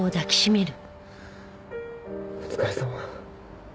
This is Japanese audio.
お疲れさま。